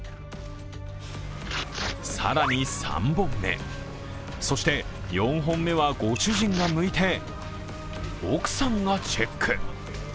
更に３本目、そして４本目はご主人がむいて、奥さんがチェック。